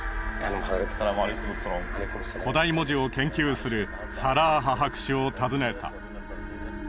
古代文字を研究するサラーハ博士を訪ねた。